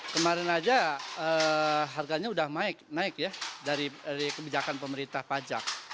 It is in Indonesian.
kemarin aja harganya udah naik ya dari kebijakan pemerintah pajak